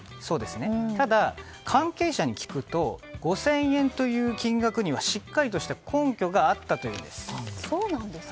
ただ、関係者に聞くと５０００円という金額にはしっかりとした根拠があったというんです。